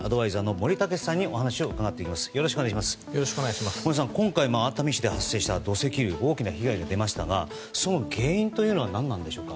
森さん、今回熱海市で発生した土石流で大きな被害が出ましたがその原因は何なんでしょうか。